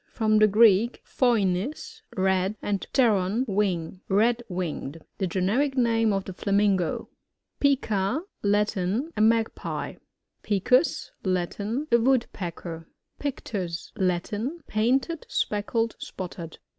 — From the Greek, phoinix, red, and pteron^ wing. Red winged. The generic name of the Flamingo. Pica. — Latin. A Magpie. Picus. — Latin. A Woodpecker. PfCTUi. — Latin. Painted, speckled, spotted.